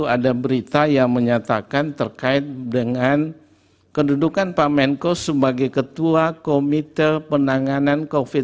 ada berita yang menyatakan terkait dengan kedudukan pak menko sebagai ketua komite penanganan covid sembilan belas